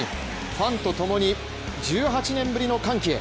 ファンと共に、１８年ぶりの歓喜へ。